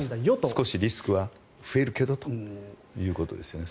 少しリスクは増えるけどということですよね。